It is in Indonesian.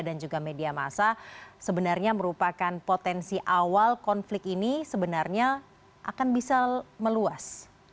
dan juga media massa sebenarnya merupakan potensi awal konflik ini sebenarnya akan bisa meluas